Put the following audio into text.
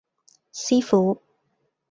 師傅